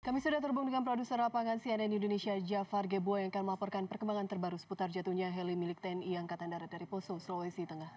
kami sudah terhubung dengan produser lapangan cnn indonesia jafar gebua yang akan melaporkan perkembangan terbaru seputar jatuhnya heli milik tni angkatan darat dari poso sulawesi tengah